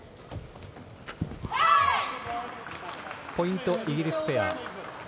ポイントイギリスペア。